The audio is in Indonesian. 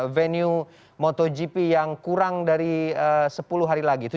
venue motogp yang kurang dari sepuluh hari lagi